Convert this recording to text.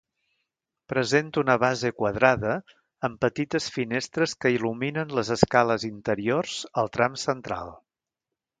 Presenta una base quadrada, amb petites finestres que il·luminen les escales interiors al tram central.